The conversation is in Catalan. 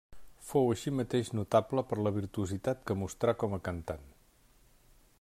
Fou així mateix notable per la virtuositat que mostrà com a cantant.